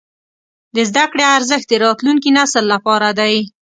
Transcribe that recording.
د زده کړې ارزښت د راتلونکي نسل لپاره دی.